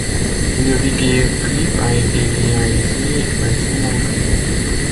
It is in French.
Le vidéo clip a été réalisé par Simon Green.